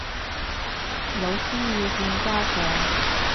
老師要見家長